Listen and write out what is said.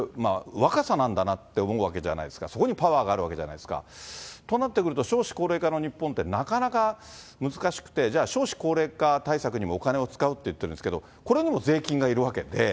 若さなんだなって思うわけじゃないですか、そこにパワーがあるわけじゃないですか。となってくると、少子高齢化の日本って、なかなか難しくて、じゃあ、少子高齢化対策にもお金を使うって言ってるんですけど、これにも税金がいるわけで。